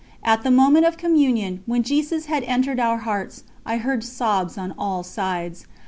At the moment of Communion, when Jesus had entered our hearts, I heard sobs on all sides.